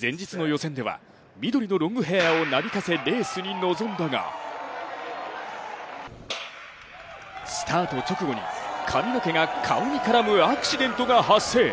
前日の予選では、緑のロングヘアーをなびかせレースに臨んだがスタート直後に髪の毛が顔に絡むアクシデントが発生。